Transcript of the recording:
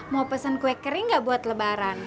mau pesen kue kering gak buat lebaran